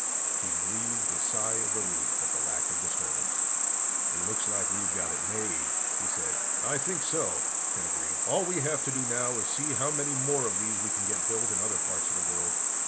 He breathed a sigh of relief at the lack of disturbance. "It looks like we've got it made," he said. "I think so," Ken agreed. "All we have to do now is see how many more of these we can get built in other parts of the world."